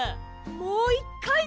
もう１かい。